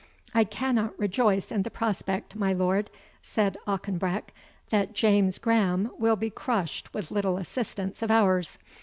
"I cannot rejoice in the prospect, my lord," said Auchebreck, "that James Grahame will be crushed with little assistance of ours.